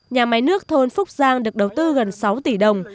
nhà máy nước thôn phúc giang được đầu tư gần sáu tỷ đồng